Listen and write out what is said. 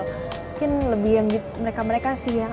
mungkin lebih mereka mereka sih yang